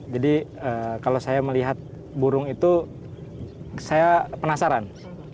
jadi kalau saya melihat burung itu saya penasaran